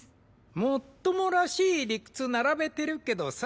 もっともらしい理屈並べてるけどさ